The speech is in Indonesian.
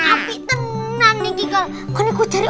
kak jangan bilang ibadah aku ya kalau aku di sini